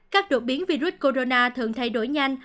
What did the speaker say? các đột biến virus corona thường thay đổi nhanh